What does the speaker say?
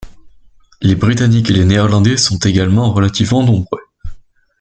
Les Britanniques et les Néerlandais sont également relativement nombreux.